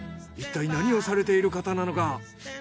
いったい何をされている方なのか。